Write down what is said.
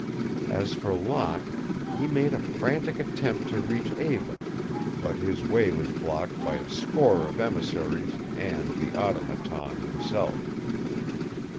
As for Locke, he made a frantic attempt to reach Eva, but his way was blocked by a score of emissaries and the Automaton himself.